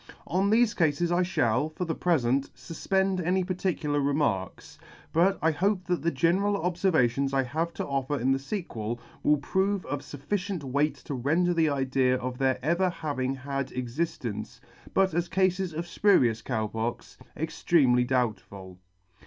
On thefe Cafes I fhall, for the prefent, fufpend any particular remarks, but hope that the general obfer vations I have to offer in the fequel will prove of fufficient weight to render the idea of their ever having had exigence, but as cafes of fpurious Cow Pox, extremely doubtful.